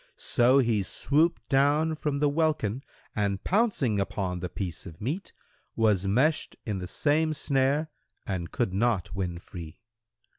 So he swooped down from the welkin and pouncing upon the piece of meat, was meshed in the same snare and could not win free.